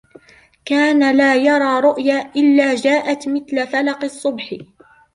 كَانَ لَا يَرَى رُؤْيَا إِلَّا جَاءَتْ مِثْلَ فَلَقِ الصُّبْحِ.